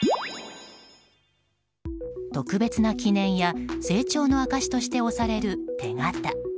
特別な記念や成長の証しとして押される手形。